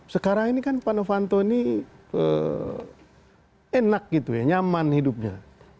sekarang ini kan pak novanto ini enak gitu ya nyaman hidupnya